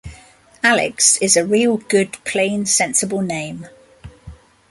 Alex is a real good plain sensible name.